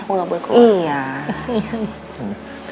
aku gak boleh keluar